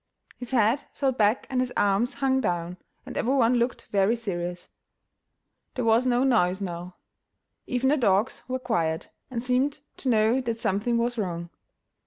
His head fell back and his arms hung down, and every one looked very serious. There was no noise now; even the dogs were quiet, and seemed to know that something was wrong.